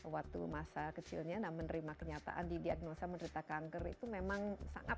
waktu masa kecilnya dan menerima kenyataan di diagnosa menerita kanker itu memang sangat dianggap kanker ya